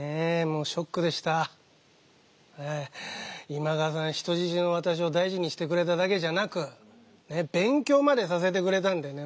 今川さん人質の私を大事にしてくれただけじゃなく勉強までさせてくれたんでね